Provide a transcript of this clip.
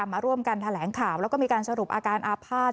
มาร่วมกันแถลงข่าวแล้วก็มีการสรุปอาการอาภาษณ์